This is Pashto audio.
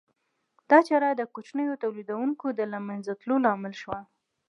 دا چاره د کوچنیو تولیدونکو د له منځه تلو لامل شوه